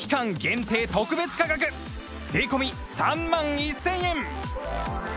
限定特別価格税込３万１０００円